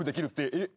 えっ？